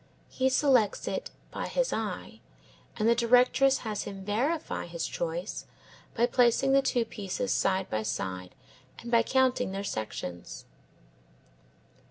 He selects it by his eye, and the directress has him verify his choice by placing the two pieces side by side and by counting their sections.